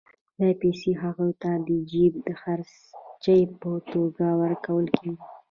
دا پیسې هغوی ته د جېب خرچۍ په توګه ورکول کېږي